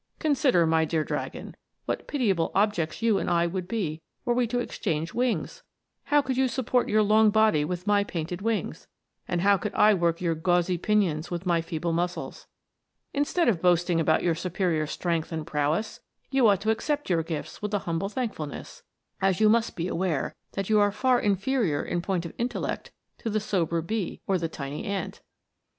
Consider, my dear dragon, what pitiable objects you and I would be were we to exchange wings ! How could you support your long body with my painted wings, and how could I work your gauzy * The order Lepidoptera, or scaly wings, includes butter flies and moths. METAMORPHOSES. 143 pinions with my feeble muscles 1 Instead of boast ing about your superior strength and prowess, you ought to accept your gifts with a humble thankful ness, as you must be aware that you are 'far inferior in point of intellect to the sober bee, or the tiny ant."